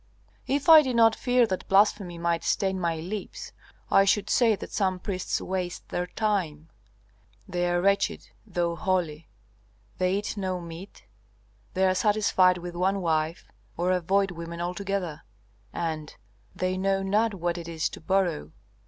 "If I did not fear that blasphemy might stain my lips, I should say that some priests waste their time. They are wretched, though holy! They eat no meat, they are satisfied with one wife, or avoid women altogether, and they know not what it is to borrow.